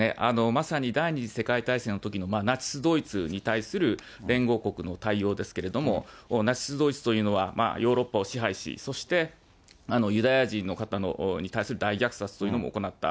まさに第２次世界大戦のときのナチス・ドイツに対する連合国の対応ですけれども、ナチス・ドイツというのは、ヨーロッパを支配し、そしてユダヤ人の方に対する大虐殺というのも行った。